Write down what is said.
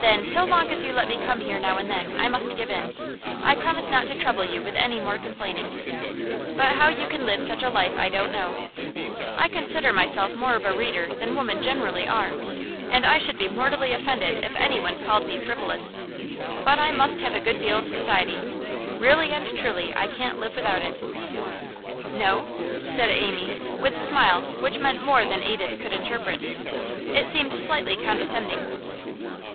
'Then, so long as you let me come here now and then, I must give in. I promise not to trouble you with any more complaining. But how you can live such a life I don't know. I consider myself more of a reader than women generally are, and I should be mortally offended if anyone called me frivolous; but I must have a good deal of society. Really and truly, I can't live without it.' 'No?' said Amy, with a smile which meant more than Edith could interpret. It seemed slightly condescending.